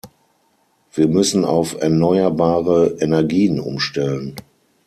Wir müssen auf erneuerbare Energien umstellen.